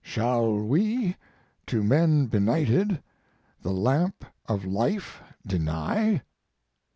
"Shall we, to men benighted, the lamp of life deny?"